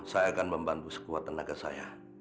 saya akan membantu sekuat tenaga saya